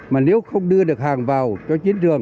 mà nếu không đưa được hàng vào cho chiến trường